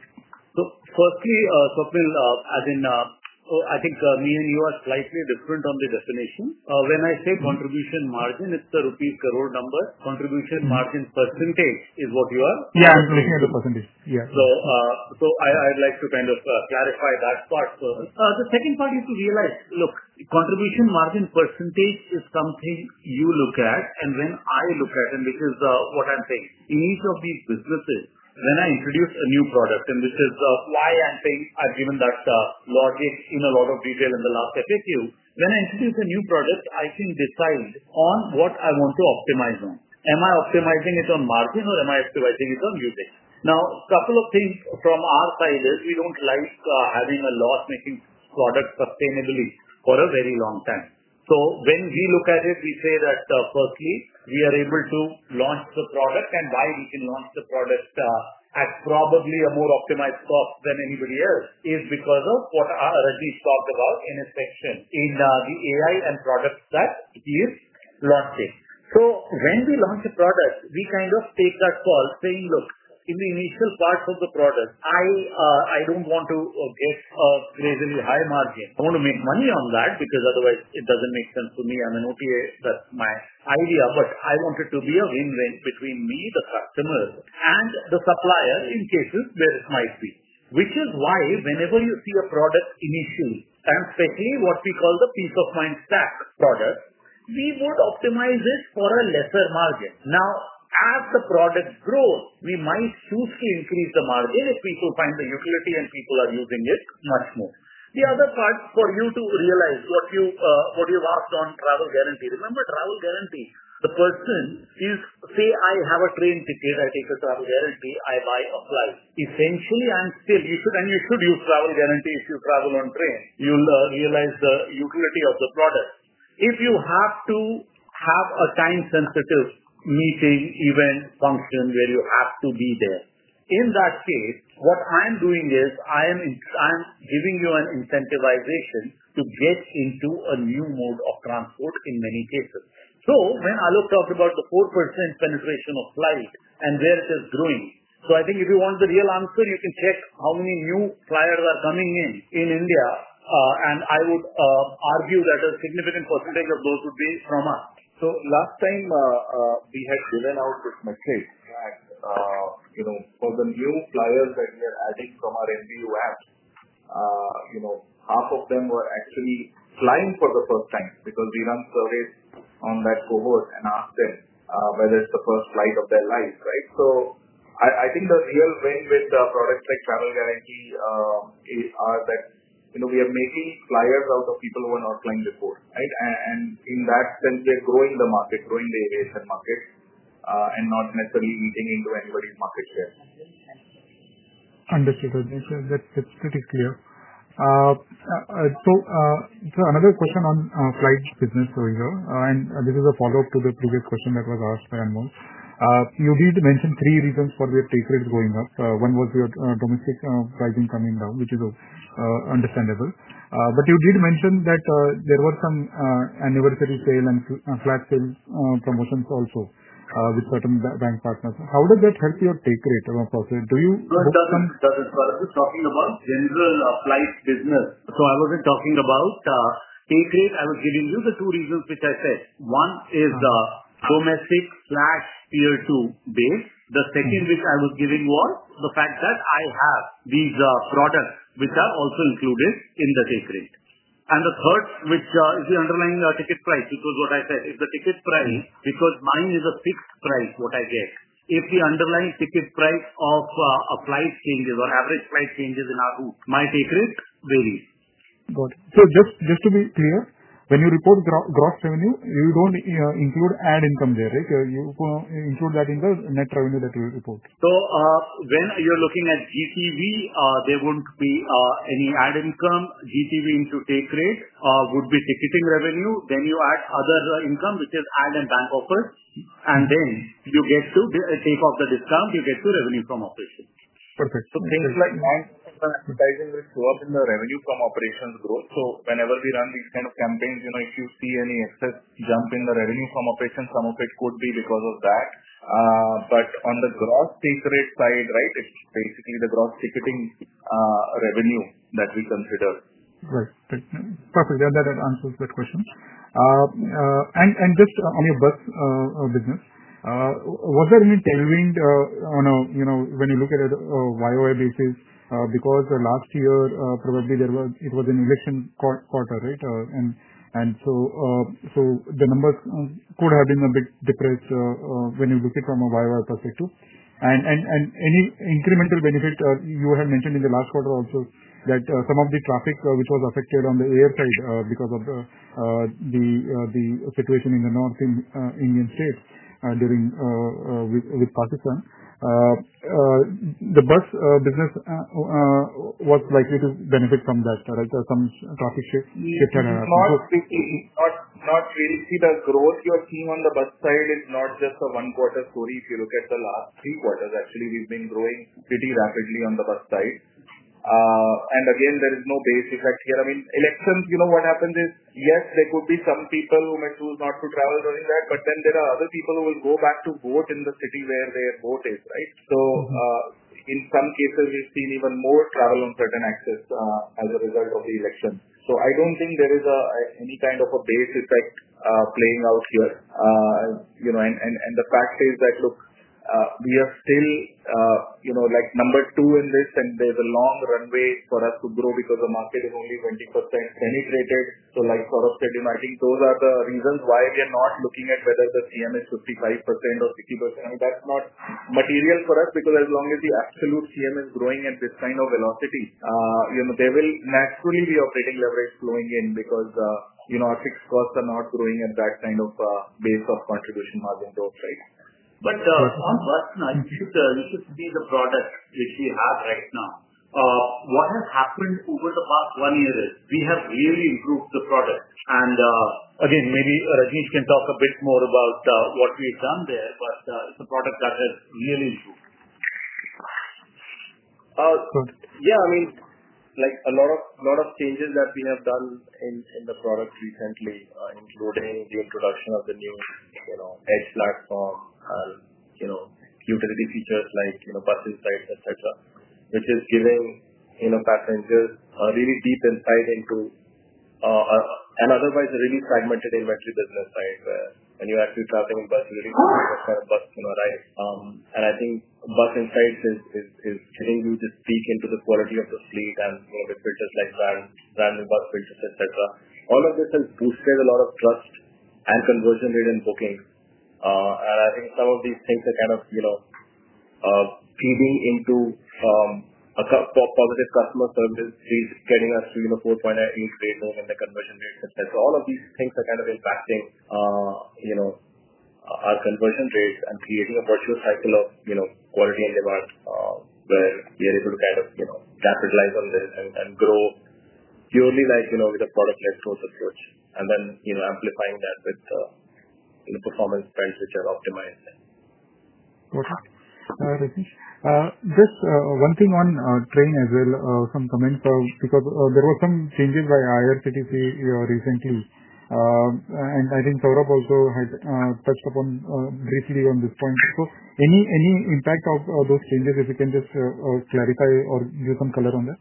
Firstly, Swapnil, as in I think me and you are slightly different on the destination. When I say contribution margin, it's the rupees crore number. Contribution margin percentage is what you are. Yeah, I'm looking at the percentage. I'd like to clarify that part first. The second part is to realize, look, contribution margin percentage is something you look at and when I look at it. This is what I'm saying. In each of these businesses, when I introduce a new product, and this is why I'm saying I've given that logic in a lot of detail in the last FAQ, when I introduce a new product, I can decide on what I want to optimize on. Am I optimizing it on margin, or am I optimizing it on usage? A couple of things from our side is we don't like having a loss-making product sustainably for a very long time. When we look at it, we say that firstly, we are able to launch the product. Why we can launch the product at probably a more optimized cost than anybody else is because of what Rajnish Kumar talked about in his section in the AI and products that he's launching. When we launch a product, we kind of take that call saying, look, in the initial part of the product, I don't want to raise a really high margin. I want to make money on that because otherwise, it doesn't make sense for me. I'm an OTA. That's my idea. I want it to be a win-win between me, the customer, and the supplier in cases there is my speed. Whenever you see a product initially, and especially what we call the peace of mind stack product, we would optimize this for a lesser margin. As the products grow, we might choose to increase the margin if we could find the utility and people are using it much more. The other part for you to realize what you've asked on Travel Guarantee, remember Travel Guarantee, the person is, say, I have a train ticket. I take a Travel Guarantee. I buy a flight. Essentially, I'm still using, and you should use Travel Guarantee if you travel on train. You'll realize the utility of the product. If you have to have a time-sensitive meeting, event, function where you have to be there, in that case, what I'm doing is I'm giving you an incentivization to get into a new mode of transport in many cases. When Aloke Bajpai talked about the 4% penetration of flight, and there it is growing. If you want the real answer, you can check how many new flyers are coming in in India. I would argue that a significant percentage of those would be from us. Last time, we had given out this message that, you know, for the new flyers that we are adding from our NGO app, you know, half of them were actually flying for the first time because we run surveys on that cohort and asked them whether it's the first flight of their lives, right? I think the real win with products like Travel Guarantee is that, you know, we are making flyers out of people who are not flying before, right? In that sense, we are growing the market, growing the air head market, and not necessarily eating into anybody's market share. Understood. That's pretty clear. Another question on flight business, we go. This is a follow-up to the previous question that was asked by Anmol. You did mention three reasons for the take rate going up. One was your domestic pricing coming down, which is understandable. You did mention that there were some anniversary sale and flag sale promotions also with certain bank partners. How does that help your take rate process? It doesn't. I was just talking about general flight business. I wasn't talking about taking. I was giving you the two reasons which I said. One is the domestic/Tier two base. The second reason I was giving was the fact that I have these products, which are also included in the take rate. The third, which is the underlying ticket price, which was what I said, is the ticket price, because mine is a fixed price, what I get. If the underlying ticket price of flight changes or average flight changes, my take rate varies. Got it. Just to be clear, when you report gross revenue, you don't include ad income there, right? You include that in the net revenue that you report. When you're looking at GTV, there won't be any ad income. GTV into take rate would be ticketing revenue. You add other income, which is ad and bank offers, and then you get to take off the discount. You get to revenue from operations. Perfect. Things like bank advertising will show up in the revenue from operations growth. Whenever we run these kinds of campaigns, if you see any excess jump in the revenue from operations, some of it could be because of that. On the gross take rate side, it's basically the gross ticketing revenue that we consider. Right. Perfect. Yeah, that answers that question. Just on your bus business, was there any tailwind on a, you know, when you look at a Y-o-Y basis? Because last year, probably there was an election quarter, right? So the numbers could have been a bit depressed when you look at it from a Y-o-Y perspective. Any incremental benefit? You had mentioned in the last quarter also that some of the traffic, which was affected on the air side because of the situation in the North Indian states and during, with Pakistan, the bus business was likely to benefit from that, right? Some traffic shifts? Not really seen as growth. Your team on the bus side is not just a one-quarter story. If you look at the last three quarters, actually, we've been growing pretty rapidly on the bus side. Again, there is no base effect here. I mean, elections, you know, what happens is, yes, there could be some people who may choose not to travel during that, but then there are other people who will go back to vote in the city where their vote is, right? In some cases, we've seen even more travel on certain axis as a result of the election. I don't think there is any kind of a base effect playing out here. The fact is that, look, we are still, you know, like number two in this, and there's a long runway for us to grow because the market is only 20% penetrated. Like Saurabh said, you know, I think those are the reasons why we are not looking at whether the CM is 55% or 60%. I mean, that's not material for us because as long as the absolute CM is growing at this kind of velocity, there will naturally be operating leverage flowing in because the, you know, at risk costs are not growing in that kind of base of contribution margin growth, right? On bus lines, if you see the product which you have right now, what has happened over the past one year is we have really improved the product. Maybe Raghini can talk a bit more about what we've done there, but it's a product that has really improved. Yeah, I mean, like a lot of changes that we have done in the product recently, including the introduction of the new edge platform, utility features like passenger side, etc., which is giving passengers a really deep insight into an otherwise really fragmented inventory business, right? Where when you actually start from a passenger room, you've got a bus to arrive. I think bus insights is getting you to speak into the quality of the fleet as more of a business like random bus purchase, etc. All of this has boosted a lot of trust and conversion rate in bookings. I think some of these things are kind of feeding into a top positive customer service, getting us to 4.8 days over the conversion rate. All of these things are kind of impacting our conversion rate and creating a virtual cycle of quality in the bus where we are able to capitalize on this and grow purely like, you know, with a product-led source approach, amplifying that with the performance trends which are optimized. All right, Rajnish, just one thing on train as well, some comments because there were some changes by IRCTC recently. I think Saurabh also touched upon briefly on this point. Any impact of those changes, if you can just clarify or give some color on that?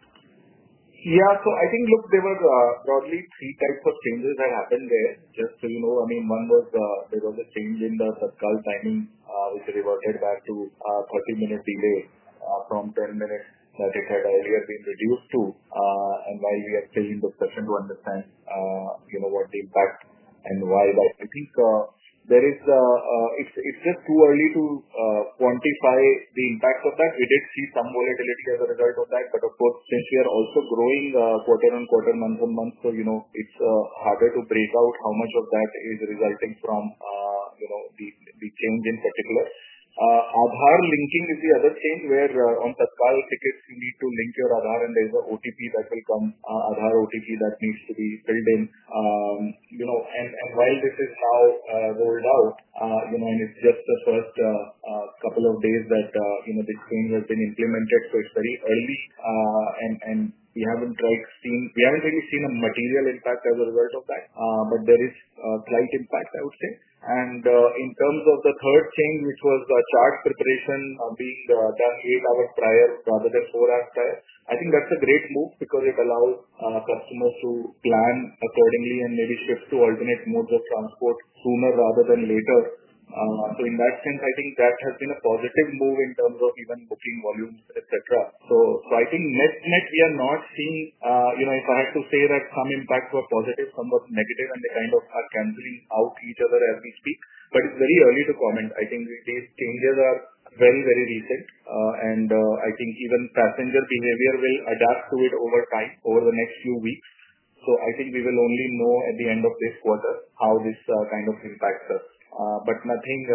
Yeah, so I think, look, there were broadly three types of changes that happened there. Just so you know, I mean, one was there was a change in the bus timing, which is about head back to a 40-minute delay from 10 minutes that we said earlier to introduce to. Why we are saying the question to understand, you know, what the impact and why was it. I think there is, it's just too early to quantify the impact of that. We did see some volatility as a result of that. Of course, this year also growing quarter-on-quarter, month on month, you know, it's harder to break out how much of that is resulting from, you know, the change in particular. Our linking is the other thing where on the 12 tickets, you need to link your Aadhaar and there's an OTP circle from Aadhaar OTP that needs to be filled in. While this is how it goes out, you know, and it's just the first couple of days that, you know, the change has been implemented. It's very early. We haven't really seen a material impact as a result of that. There is a slight impact, I would say. In terms of the third change, which was the chart preparation being done with hour prior rather than four hours prior, I think that's a great move because it allows customers to plan accordingly and maybe switch to alternate modes of transport sooner rather than later. In that sense, I think that has been a positive move in terms of even booking volumes, etc. Net-net, we are not seeing, you know, if I have to say that some impacts were positive, some were negative, and they kind of are canceling out each other as we speak. It's very early to comment. I think these changes are very, very recent. I think even passenger behavior will adapt to it over time, over the next few weeks. We will only know at the end of this quarter how this kind of impacts us. Nothing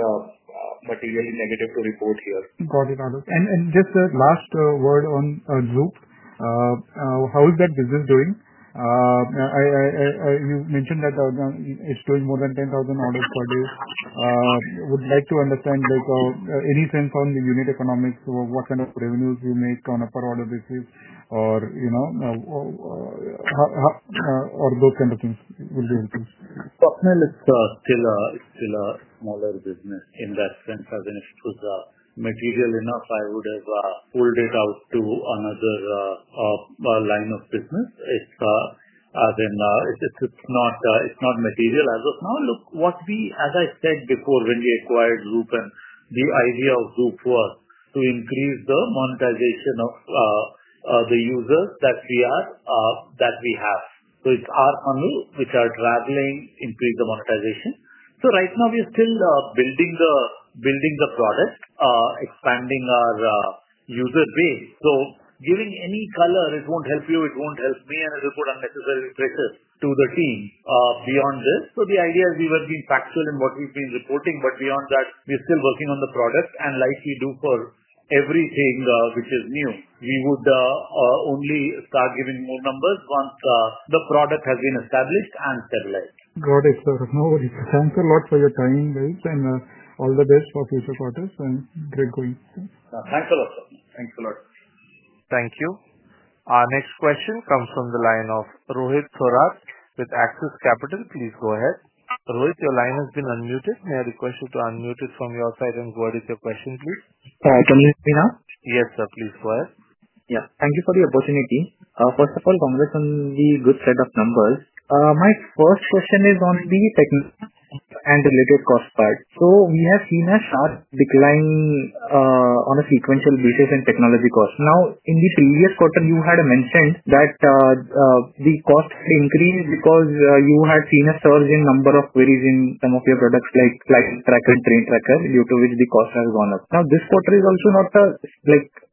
materially negative to report here. Got it, Aloke. Just the last word on a group. How is that business doing? You mentioned that it's doing more than 10,000 orders per day. Would like to understand, like, any sense on unit economics or what kind of revenues you make on a per order basis or, you know, those kinds of things would be of interest. Swapnil is still a smaller business in that sense. I mean, if it was material enough, I would have ruled it out to another line of business. It's not material as of now. Look, as I said before, when we acquired Zoop and the idea of Zoop was to increase the monetization of the users that we have. So it's our Anmol, which are dragging increase the monetization. Right now, we are still building the product, expanding our user base. Giving any color, it won't help you. It won't help me. It'll put unnecessary pressure to the team beyond this. The idea is we will be factual in what we've been reporting. Beyond that, we're still working on the product. Like we do for everything which is new, we would only start giving more numbers once the product has been established and stabilized. Got it, Saurabh. No, but thanks a lot for your time, guys, and all the best for future quarters and great goings. Thanks a lot. Thanks a lot. Thank you. Our next question comes from the line of Rohit Saurav with Axis Capital. Please go ahead. Rohit, your line has been unmuted. May I request you to unmute it from your side and go ahead with your question, please? Can I unmute it now? Yes, sir. Please go ahead. Thank you for the opportunity. First of all, congrats on the good set of numbers. My first question is on the technical and related cost part. We have seen a sharp decline on a sequential basis in technology costs. In the previous quarter, you had mentioned that the cost increased because you had seen a surge in the number of queries in some of your products like flight tracker and train tracker, due to which the cost has gone up. This quarter is also not an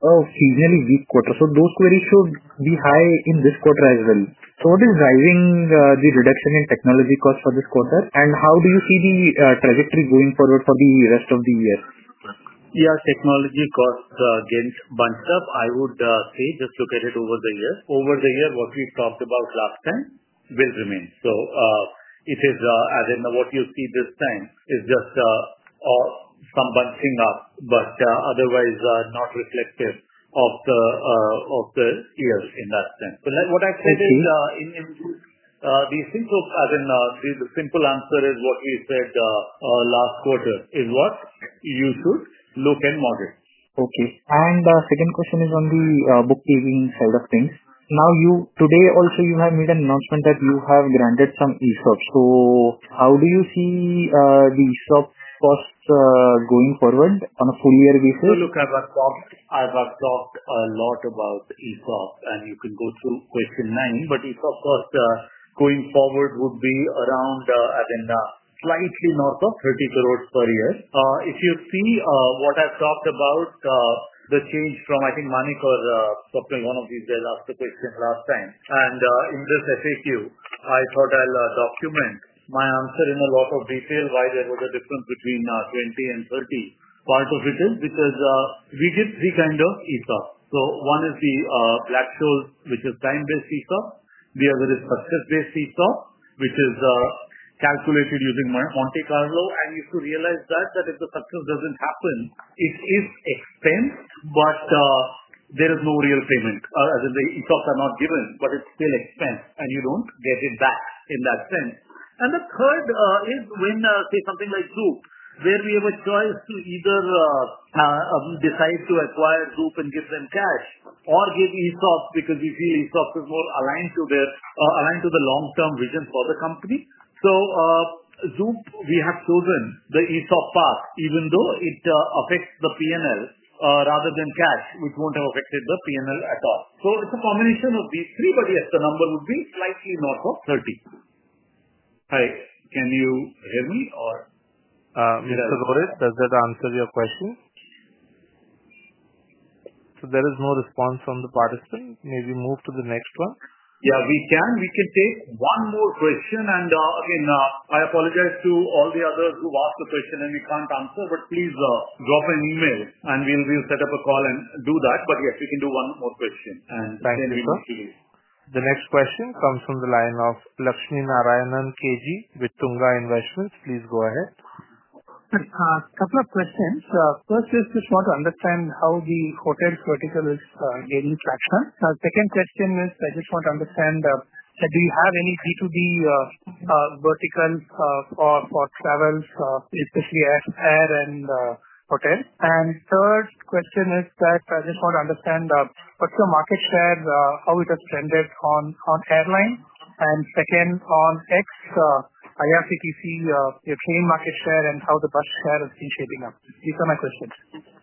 occasionally weak quarter. Those queries should be high in this quarter as well. What is driving the reduction in technology costs for this quarter? How do you see the trajectory going forward for the rest of the year? Yeah, technology costs are getting bunched up. I would say just look at it over the year. Over the year, what we talked about last time will remain. It is as in what you see this time is just some bunching up, but otherwise not reflective of the year in that sense. The simple answer is what we said last quarter is what you should look and model. OK. The second question is on the bookkeeping side of things. Today also you have made an announcement that you have granted some ESOP. How do you see the ESOP cost going forward on a full year basis? I've talked a lot about the ESOP. You can go through question 9. ESOP cost going forward would be slightly north of 30 crore per year. If you see what I've talked about, the change from, I think, Manik or Swapnil, one of these JLS participants last time. In this FAQ, I thought I'll document my answer in a lot of detail why there was a difference between 20 and 30. Part of it is because we did three kinds of ESOP. One is the flag shield, which is time-based ESOP. The other is success-based ESOP, which is calculated using Monte Carlo. You have to realize that if the success doesn't happen, it is expensed, but there is no real payment. The ESOPs are not given, but it's still expensed, and you don't get it back in that sense. The third is when, say, something like Zoop, where we have a choice to either decide to acquire Zoop and give them cash or give ESOP because we see ESOP is more aligned to the long-term vision for the company. For Zoop, we have chosen the ESOP path, even though it affects the P&L rather than cash, which wouldn't have affected the P&L at all. It's a combination of these three. The number would be slightly north of 30 crore. Hi. Can you hear me? Mr. Rohit, does that answer your question? There is no response from the participant. Maybe move to the next one. Yeah, we can take one more question. I apologize to all the others who've asked the question and we can't answer. Please drop an email, and we'll set up a call and do that. Yes, we can do one more question. Thank you, sir. The next question comes from the line of Lakshmi Narayanan KG with Tunga Investments. Please go ahead. I have a couple of questions. First, I just want to understand how the hotels vertical is getting fractured. The second question is I just want to understand, do you have any B2B verticals for travel, especially air and hotels? The third question is that I just want to understand what's the market share, how it has trended on airlines? Second, on Ixigo, IRCTC, its main market share and how the bus share is reshaping? These are my questions.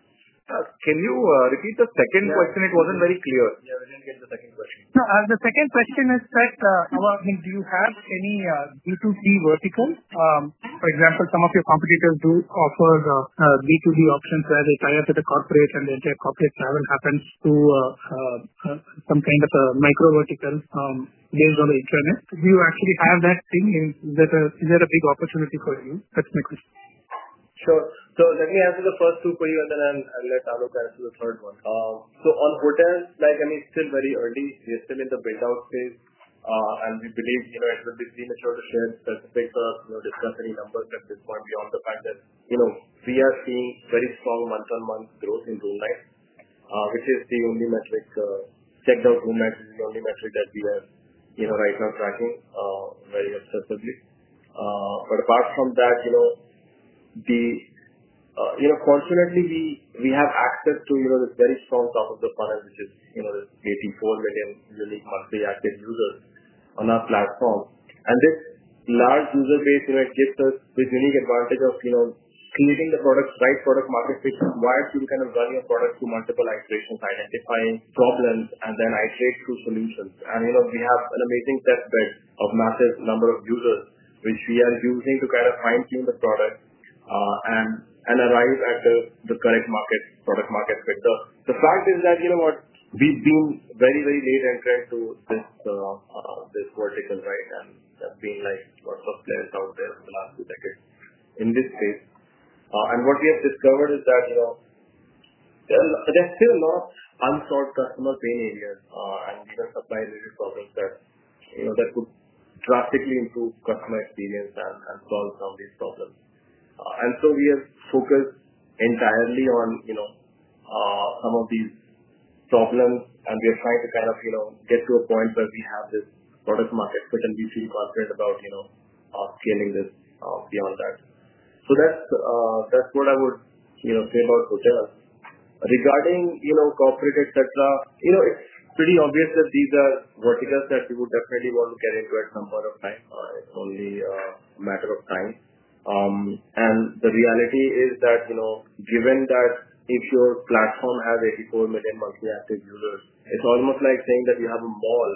Can you repeat the second question? It wasn't very clear. Yeah, we didn't get the second question. The second question is, do you have any B2B verticals? For example, some of your competitors do offer B2B options rather than tied to the corporate. The entire corporate travel happens to some kind of a micro vertical based on the internet. Do you actually have that thing? Is that a big opportunity for you? Sure. Let me answer the first two for you, and then I'll let Aloke answer the third one. On hotels, it's still very early. We are still in the build-out phase. We believe, as the big three matures in specifics of, you know, this company's number is just one beyond the fact that we are seeing very strong month-on-month growth in room life, which is the only metric, the general room life, the only metric that we were right now tracking very obsessively. Apart from that, fortunately, we have access to this very strong top of the funnel, which is this GT4 that can unique multi-active users on our platform. This large user base gives us this unique advantage of creating the product's right product market fit while still kind of running a product through multiple iterations, identifying problems, and then iterate through solutions. We have an amazing test bed of massive number of users, which we are using to fine-tune the product and arrive at the correct product market fit. The fact is that we've been very, very late entering to this vertical, right? There have been lots of players out there for the last few decades in this space. What we have discovered is that there's still a lot of unsolved customer pain areas and different supply issues and problems that could drastically improve customer experience and solve some of these problems. We have focused entirely on some of these problems. We are trying to get to a point where we have this product market fit. We feel confident about scaling this beyond that. That's what I would say about hotels. Regarding corporate, etc., it's pretty obvious that these are verticals that we would definitely want to get into at some point of time. It's only a matter of time. The reality is that, given that if your platform has 84 million multi-active users, it's almost like saying that you have a mall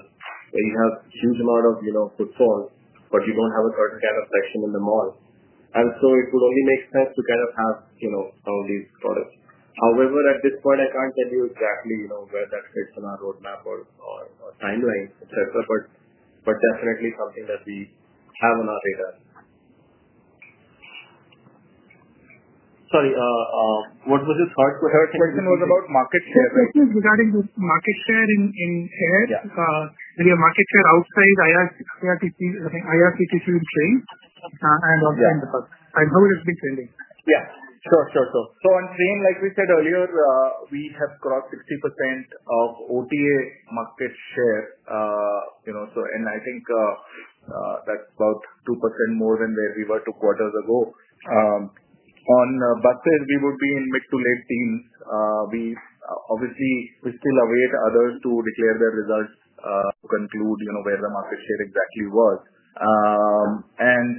where you have a huge amount of footfall, but you don't have a certain kind of section in the mall. It would only make sense to have some of these products. However, at this point, I can't tell you exactly where that fits on our roadmap or timelines, etc. Definitely something that we have on our radar. Sorry. What was the third question? It was about market share? Is this regarding the market share in air? The market share outside IRCTC in trains, and how is it trending? Yeah, sure, sure. On train, like we said earlier, we have crossed 60% of OTA market share, and I think that's about 2% more than where we were two quarters ago. On buses, we would be in mid to late teens. We obviously still await others to declare their results to conclude where the market share exactly was.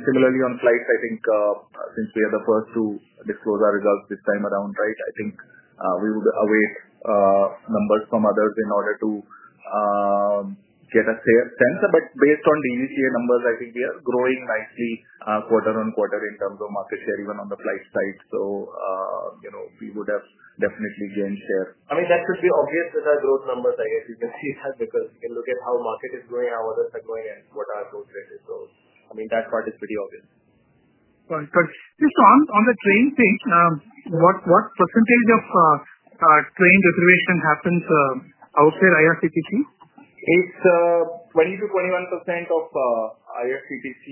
Similarly, on flights, I think since we are the first to disclose our results this time around, I think we would await numbers from others in order to get a fair sense. Based on the ETA numbers, I think we are growing nicely quarter-on-quarter in terms of market share, even on the flight side. We would have definitely gained share. I mean, that could be obvious with our growth numbers. I guess you can see that because you can look at how the market is growing, how others are growing, and what our growth rate is. That part is pretty obvious. Got it. Just on the train thing, what percentage of train reservation happens outside IRCTC? It's 20%-21% of IRCTC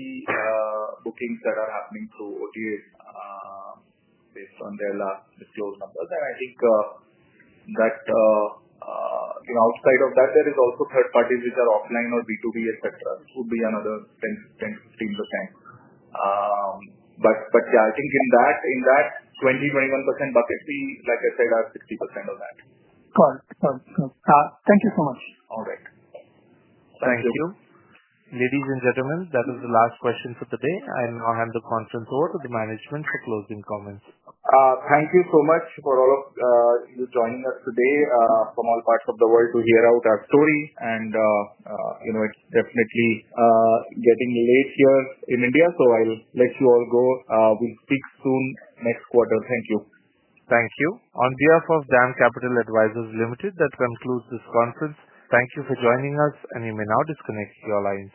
bookings that are happening through OTAs based on their last disclosed numbers. I think that, you know, outside of that, there is also third parties which are offline or B2B, etc., would be another 10%. I think in that 20%-21% bucket seat, like I said, I have 60% of that. Got it. Thank you so much. All right. Thank you. Ladies and gentlemen, that was the last question for today. I'll hand the conference over to the management for closing comments. Thank you so much for all of you joining us today from all parts of the world to hear out our story. It's definitely getting late here in India, so I'll let you all go. We'll speak soon next quarter. Thank you. Thank you. On behalf of DAM Capital Advisors Limited, that concludes this conference. Thank you for joining us. You may now disconnect your lines.